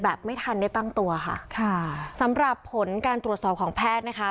ไม่ทันได้ตั้งตัวค่ะค่ะสำหรับผลการตรวจสอบของแพทย์นะคะ